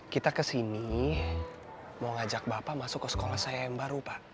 kita kesini mau ngajak bapak masuk ke sekolah saya yang baru pak